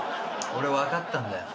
俺分かったんだよ。